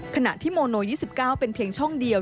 ขณะที่โมโน๒๙เป็นเพียงช่องเดียว